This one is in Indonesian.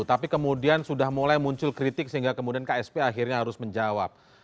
tapi kemudian sudah mulai muncul kritik sehingga kemudian ksp akhirnya harus menjawab